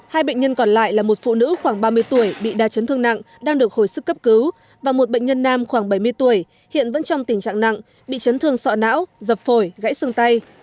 hai bệnh nhân còn lại là một phụ nữ khoảng ba mươi tuổi bị đa chấn thương nặng đang được hồi sức cấp cứu và một bệnh nhân nam khoảng bảy mươi tuổi hiện vẫn trong tình trạng nặng bị chấn thương sọ não dập phổi gãy xương tay